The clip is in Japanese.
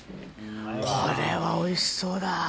これはおいしそうだ。